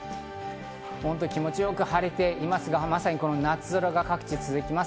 気持ちよく晴れていますが、まさに夏空が各地続きます。